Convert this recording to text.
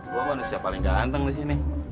gue manusia paling ganteng disini